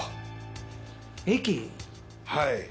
はい。